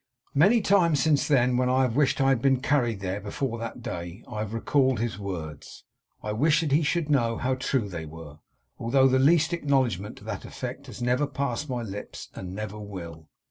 'Many times since then, when I have wished I had been carried there before that day, I have recalled his words. I wish that he should know how true they were, although the least acknowledgment to that effect has never passed my lips and never will.